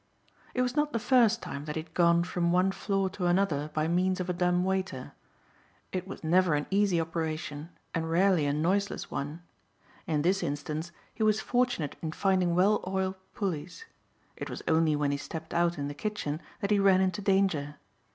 It was not the first time that he had gone from one floor to another by means of a dumbwaiter. It was never an easy operation and rarely a noiseless one. In this instance he was fortunate in finding well oiled pulleys. It was only when he stepped out in the kitchen that he ran into danger.